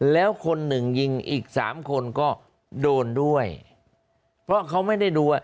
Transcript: แล้วคน๑ยิงอีก๓คนก็โดนด้วยเพราะเขาไม่ได้ดู